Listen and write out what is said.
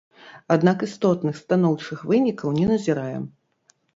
Аднак істотных станоўчых вынікаў не назіраем.